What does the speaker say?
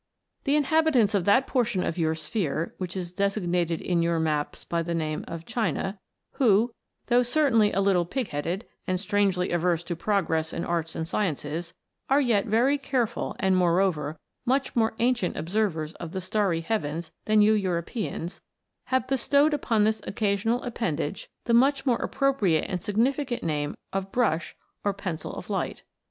The inhabitants of that portion of your sphere which is designated in your maps by the name of China who, though certainly a little pig headed, and strangely averse to progress in arts and sciences, are yet very careful, and, moreover, much more ancient observers of the starry heavens than you Europeans have bestowed upon this occa sional appendage the much more appropriate and significant name of brush or pencil of light.